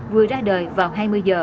vừa ra đời vào hai mươi giờ